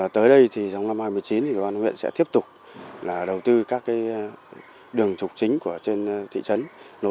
tới đây trong năm hai nghìn một mươi chín huyện sẽ tiếp tục đầu tư các đường trục chính trên thị trấn